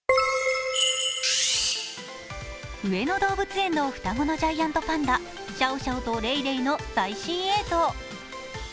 上野動物園の双子のジャイアントパンダ、シャオシャオとレイレイの最新映像。